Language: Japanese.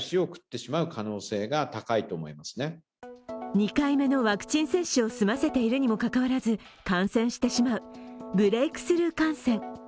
２回目のワクチン接種を済ませているにもかかわらず感染してしまうブレークスルー感染。